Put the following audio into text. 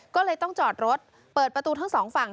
ก็เลยต้องจอดรถเปิดประตูทั้งสองฝั่ง